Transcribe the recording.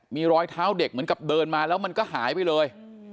มีรอยเท้าเด็กเหมือนกับเดินมาแล้วมันก็หายไปเลย